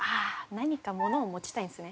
何か物を持ちたいんですね。